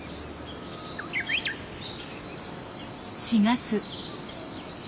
４月。